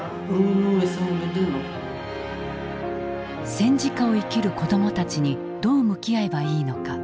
戦時下を生きる子どもたちにどう向き合えばいいのか。